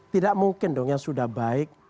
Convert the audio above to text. tidak mungkin dong yang sudah baik